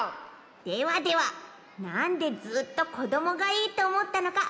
ではではなんでずっとこどもがいいとおもったのかきいてもらえますか？